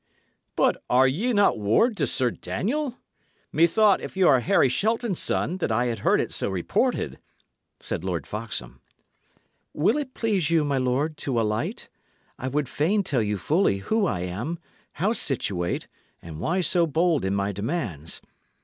"But are ye not ward to Sir Daniel? Methought, if y' are Harry Shelton's son, that I had heard it so reported," said Lord Foxham. "Will it please you, my lord, to alight? I would fain tell you fully who I am, how situate, and why so bold in my demands.